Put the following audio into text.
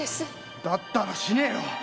だったら死ねよ！